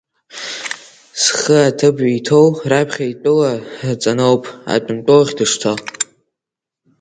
Зхы аҭыԥ иҭоу раԥхьа итәыла ҵаноуп атәымтәылахь дышцо!